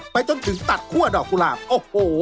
ไปจนถึงตัดคั่วดอกกุหลาบโอ้โห